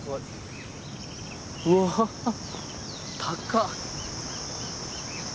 うわ高っ！